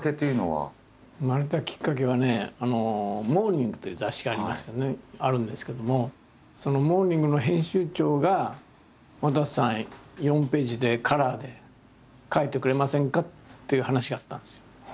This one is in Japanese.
生まれたきっかけはね「モーニング」という雑誌がありましてねあるんですけどもその「モーニング」の編集長が「わたせさん４ページでカラーで描いてくれませんか？」っていう話があったんですよ。